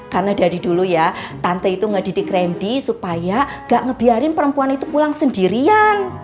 karena dari dulu ya tante itu ngedidik randy supaya gak ngebiarin perempuan itu pulang sendirian